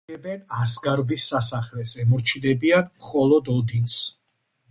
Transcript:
განაგებენ ასგარდის სასახლეს, ემორჩილებიან მხოლოდ ოდინს.